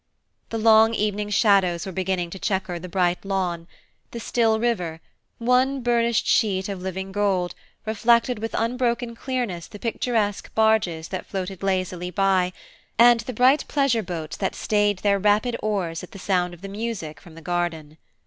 The long evening shadows were beginning to chequer the bright lawn, the still river, "one burnished sheet of living gold" reflected with unbroken clearness the picturesque barges that floated lazily by and the bright pleasure boats that stayed their rapid oars at the sound of the music from the garden.